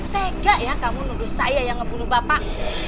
tega ya kamu nuduh saya yang ngebulu bapak